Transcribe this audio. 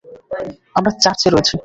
আমরা চার্চে রয়েছি।